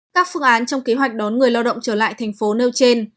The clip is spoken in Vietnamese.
các phương án trong kế hoạch đón người lao động trở lại thành phố nêu trên